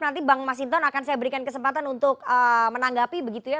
nanti bang masinton akan saya berikan kesempatan untuk menanggapi begitu ya